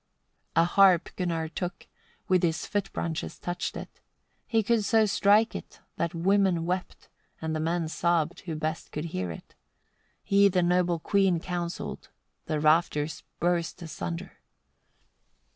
62. A harp Gunnar took, with his foot branches touched it. He could so strike it, that women wept, and the men sobbed, who best could hear it. He the noble queen counselled: the rafters burst asunder.